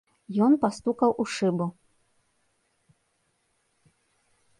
Ён пастукаў у шыбу.